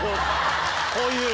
こういう。